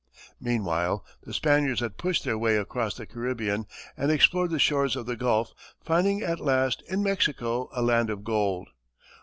Meanwhile, the Spaniards had pushed their way across the Caribbean and explored the shores of the gulf, finding at last in Mexico a land of gold.